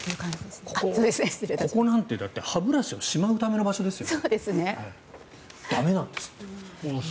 ここなんて歯ブラシをしまうための場所ですよ。